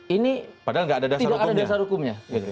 ini padahal tidak ada dasar hukumnya